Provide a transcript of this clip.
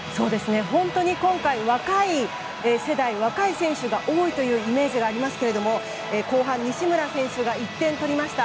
本当に今回若い世代、若い選手が多いというイメージがありますけど後半、西村選手が１点を取りました。